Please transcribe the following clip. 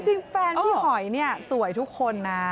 จริงแฟนพี่หอยเนี่ยสวยทุกคนนะ